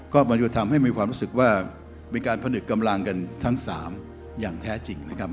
ก็มันจะทำให้มีความรู้สึกว่ามีการผนึกกำลังกันทั้ง๓อย่างแท้จริงนะครับ